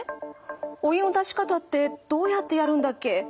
「お湯の出し方ってどうやってやるんだっけ？」。